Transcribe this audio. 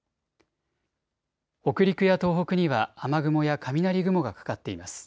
北陸や東北には雨雲や雷雲がかかっています。